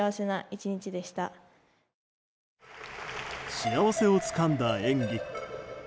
幸せをつかんだ演技。